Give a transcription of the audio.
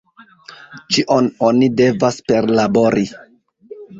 Ĉion oni devas perlabori.